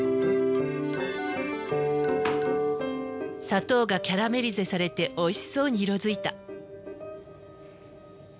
砂糖がキャラメリゼされておいしそうに色づいた。